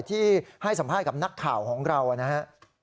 ที่ให้สัมภาษณ์กับนักข่าวของเรานะครับ